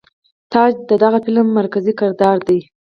تاج د دغه فلم مرکزي کردار دے.